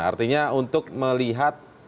artinya untuk melihat